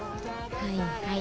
はいはい。